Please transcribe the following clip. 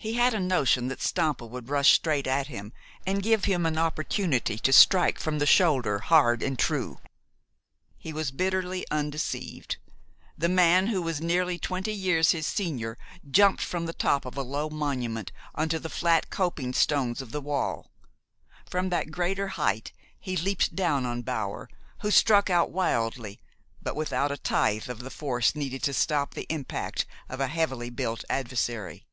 He had a notion that Stampa would rush straight at him, and give him an opportunity to strike from the shoulder, hard and true. He was bitterly undeceived. The man who was nearly twenty years his senior jumped from the top of a low monument on to the flat coping stones of the wall. From that greater height he leaped down on Bower, who struck out wildly, but without a tithe of the force needed to stop the impact of a heavily built adversary.